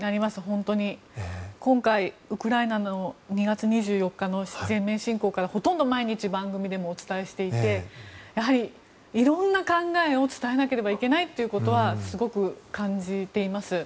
今回、ウクライナの２月２４日の全面侵攻からほとんど毎日番組でもお伝えしていて色んな考えを伝えなきゃいけないということはすごく感じています。